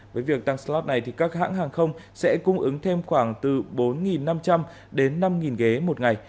với việc tăng slot này các hãng hàng không sẽ cung ứng thêm khoảng từ bốn năm trăm linh đến năm ghế một ngày